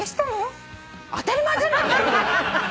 当たり前じゃない！